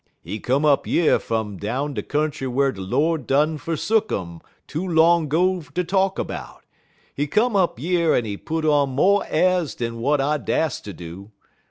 He come up yer fum down de country whar de Lord done fersook um too long 'go ter talk 'bout, he come up yer en he put on mo' a'rs dan w'at I dast ter do.